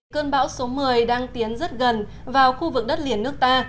cơn bão số một mươi đang tiến rất gần vào khu vực đất liền nước ta